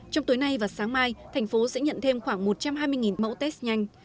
trong tối nay và sáng mai thành phố sẽ nhận thêm khoảng một trăm hai mươi mẫu test nhanh